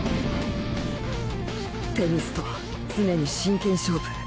テニスとは常に真剣勝負。